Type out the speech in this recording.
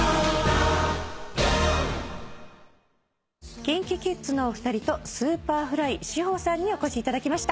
ＫｉｎＫｉＫｉｄｓのお二人とＳｕｐｅｒｆｌｙ志帆さんにお越しいただきました。